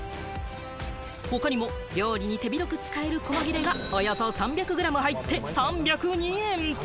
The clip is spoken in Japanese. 他にも料理に手広く使えるこま切れが、およそ３００グラム入って３０２円！